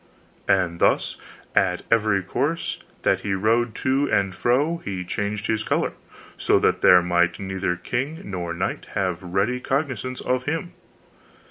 And thus at every course that he rode to and fro he changed his color, so that there might neither king nor knight have ready cognizance of him.